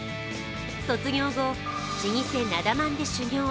卒業後、老舗・なだ万で修業。